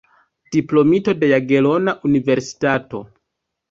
Diplomito de Jagelona Universitato.